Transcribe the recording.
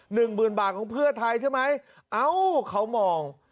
หนึ่งหมื่นบาทของเพื่อไทยใช่ไหมเอ้าเขามอง